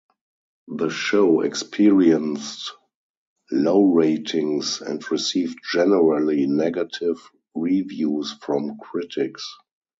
The show experienced low ratings and received generally negative reviews from critics.